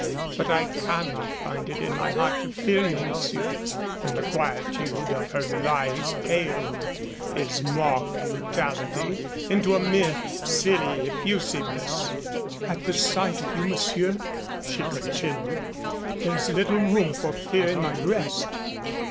"But I cannot find it in my heart to fear you, monsieur." And the quietude of her reliance paled his mock brutality into a mere silly effusiveness. "At the sight of you, monsieur," she continued, "there is little room for fear in my breast.